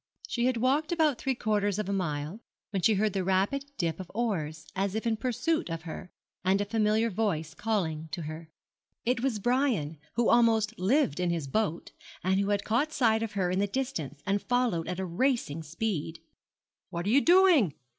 She had walked about three quarters of a mile, when she heard the rapid dip of oars, as if in pursuit of her, and a familiar voice calling to her. It was Brian, who almost lived in his boat, and who had caught sight of her in the distance, and followed at racing speed. 'What are you doing?'